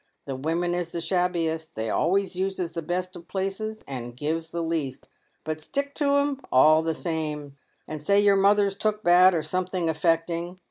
The women is the shabbiest ; they always uses the best of places and gives the least ; but stick to 'em all the same, and say your mother's took bad, or something affecting.